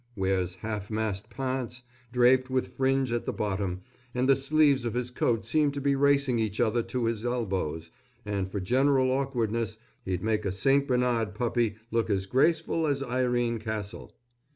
Wears half mast pants, draped with fringe at the bottom, and the sleeves of his coat seem to be racing each other to his elbows, and for general awkwardness he'd make a St. Bernard puppy look as graceful as Irene Castle.